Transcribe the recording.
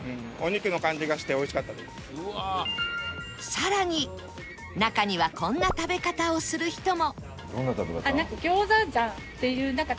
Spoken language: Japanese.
さらに中にはこんな食べ方をする人も